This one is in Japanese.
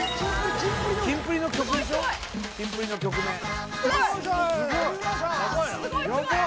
キンプリの曲でしょキンプリの曲名あたまおしり